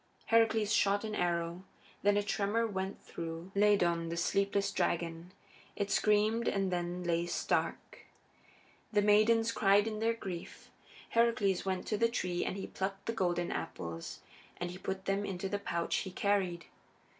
Heracles shot an arrow; then a tremor went through Ladon, the sleepless dragon; it screamed and then lay stark. The maidens cried in their grief; Heracles went to the tree, and he plucked the golden apples and he put them into the pouch he carried.